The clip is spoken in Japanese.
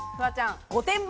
御殿場